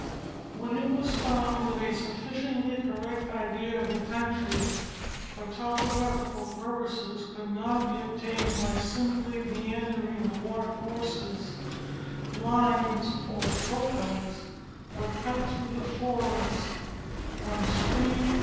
When it was found that a sufficiently correct idea of the country for topographical purposes could not be obtained by simply meandering the water courses, lines or trochas were cut through the forest from stream A Trip to PmiaTna and Darien.